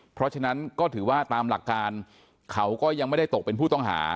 เพราะฉะนั้นก็ถือว่าตามหลักการเขาก็ยังไม่ได้ตกเป็นผู้ต้องหา